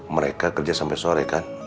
mereka kerja sampai sore kan